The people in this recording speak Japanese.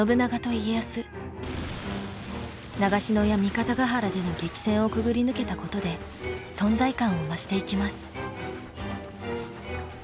長篠や三方ヶ原での激戦をくぐり抜けたことで存在感を増していきます。